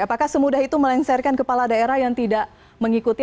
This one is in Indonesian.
apakah semudah itu melengsarkan kepala daerah yang tidak mengikuti